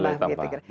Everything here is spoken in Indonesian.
nilai tambah betul